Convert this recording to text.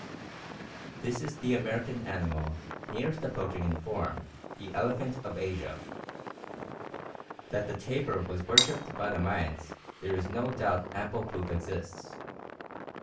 This is the American animal nearest approaching in form the elephant of Asia. That the tapir was worshipped by the Mayans there is no doubt: ample proof exists.